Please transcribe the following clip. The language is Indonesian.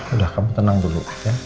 udah kamu tenang dulu